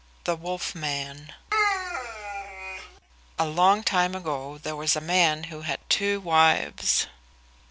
THE WOLF MAN A long time ago there was a man who had two wives.